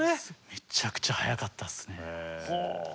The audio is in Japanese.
むちゃくちゃ速かったですね。